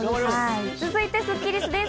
続いてスッキりすです。